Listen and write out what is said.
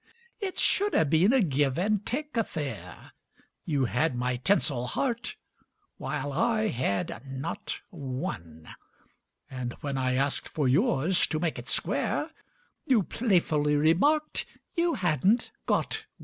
It should have been a give and take affair; You had my tinsel heart, while I had not one, And when I asked for yours, to make it square, You playfully remarked you hadn't got one.